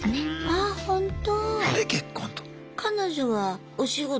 あ本当。